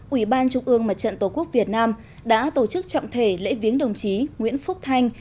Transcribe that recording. ủy ban trung ương mặt trận tổ quốc việt nam đã tổ chức trọng thể lễ viếng đồng chí nguyễn phúc thanh